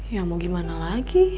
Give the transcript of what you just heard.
ya mau gimana lagi